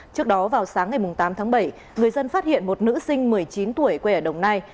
trước đó vào sáng ngày tám tháng bảy người dân phát hiện một nữ sinh một mươi chín tuổi quê ở đồng nai